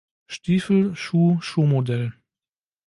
Stiefel, Schuh, Schuhmodell